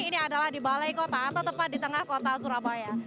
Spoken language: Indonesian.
ini adalah di balai kota atau tepat di tengah kota surabaya